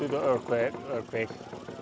untuk kembali surau